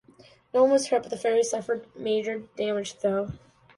No one was hurt, but the ferry suffered major damage though.